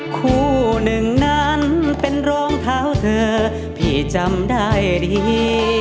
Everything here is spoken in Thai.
คู่หนึ่งนั้นเป็นรองเท้าเธอพี่จำได้ดี